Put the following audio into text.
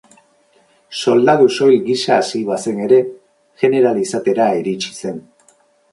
Soldadu soil gisa hasi bazen ere, jeneral izatera iritsi zen.